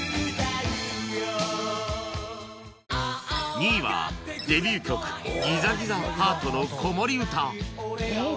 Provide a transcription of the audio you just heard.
２位はデビュー曲『ギザギザハートの子守唄』えっ？